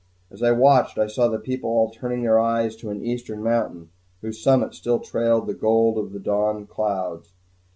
As I watched, I saw the people all turning their eyes to an eastern mountain, whose summit still trailed the golden of the dawn clouds.